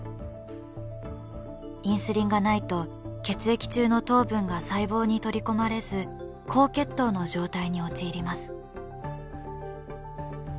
インスリンがないと血液中の糖分が細胞に取り込まれず高血糖の状態に陥ります。